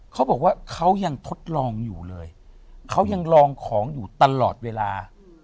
เขาบอกว่าเขายังทดลองอยู่เลยเขายังลองของอยู่ตลอดเวลา